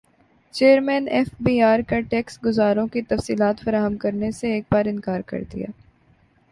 chairman F B R کا tax گزاروں کی تفصیلات فراہم کرنے سے ایک بارانکار کردیا